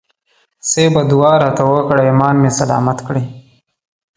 صاحبه دعا راته وکړه ایمان مې سلامت کړي.